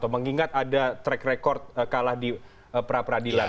mengingat ada track record kalah di pra peradilan